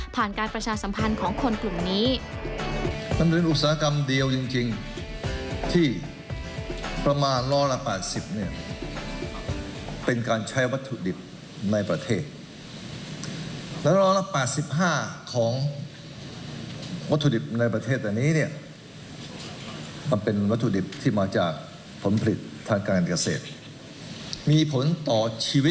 การประชาสัมพันธ์ของคนกลุ่มนี้